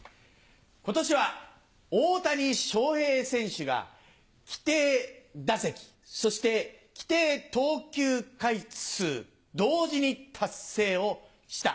今年は大谷翔平選手が規定打席そして規定投球回数同時に達成をした。